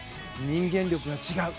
人間力が違う。